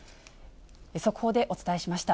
速報でお伝えしました。